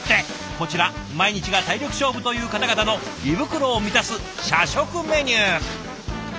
こちら毎日が体力勝負という方々の胃袋を満たす社食メニュー。